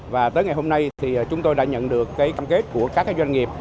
và tới ngày hôm nay thì chúng tôi đã nhận được cam kết của các doanh nghiệp